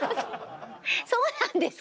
そうなんですか？